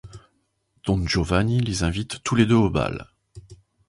Don Giovanni les invite tous les deux au bal.